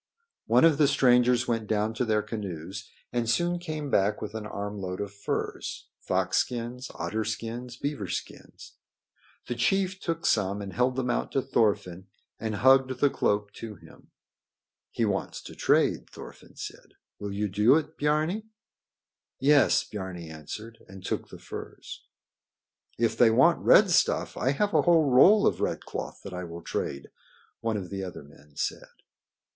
One of the strangers went down to their canoes and soon came back with an armload of furs fox skins, otter skins, beaver skins. The chief took some and held them out to Thorfinn and hugged the cloak to him. [Illustration: "The chief held them out to Thorfinn and hugged the cloak to him"] "He wants to trade," Thorfinn said. "Will you do it, Biarni?" "Yes," Biarni answered, and took the furs. "If they want red stuff, I have a whole roll of red cloth that I will trade," one of the other men said.